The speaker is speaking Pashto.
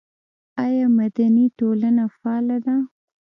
آیا مدني ټولنه فعاله ده؟